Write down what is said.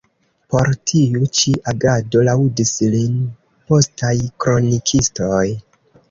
Por tiu ĉi agado laŭdis lin postaj kronikistoj.